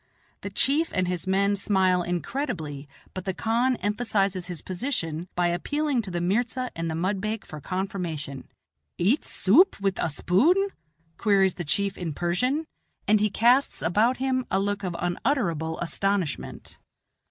The chief and his men smile incredibly, but the khan emphasizes his position by appealing to the mirza and the mudbake for confirmation. "Eat soup with a spoon?" queries the chief in Persian; and he casts about him a look of unutterable astonishment.